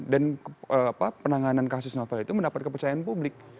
dan penanganan kasus novel itu mendapat kepercayaan publik